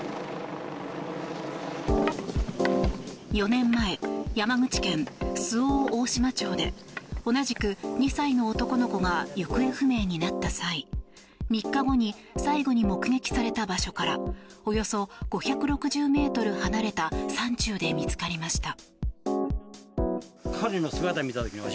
４年前、山口県周防大島町で同じく２歳の男の子が行方不明になった際、３日後に最後に目撃された場所からおよそ５６０ｍ離れた山中で見つかりました。